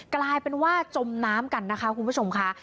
กลายเป็นว่าจมน้ำกันนะคะคุณผู้ชมค่ะ